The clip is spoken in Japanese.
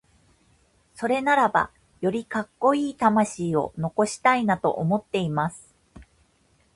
それならばよりカッコイイ魂を残したいなと思っています。